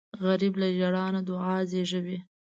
غریب له ژړا نه دعا زېږوي